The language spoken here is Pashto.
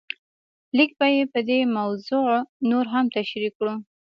لږ به یې په دې موضوع نور هم تشریح کړو.